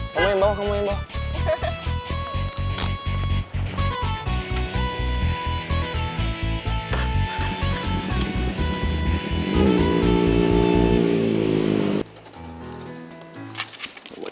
kamu yang bawa kamu yang bawa